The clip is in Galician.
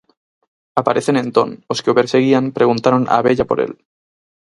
Aparecen entón os que o perseguían preguntaron á vella por el.